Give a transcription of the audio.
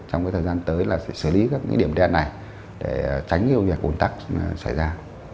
trong cái thời gian tới là sẽ xử lý các cái điểm đen này để tránh nhiều việc ồn tắc xảy ra